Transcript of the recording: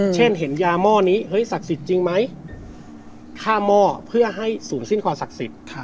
เช่นเห็นยาม่อนี้สักศิษย์จริงไหมข้าม่อเพื่อให้สูญสิ้นความสักศิษย์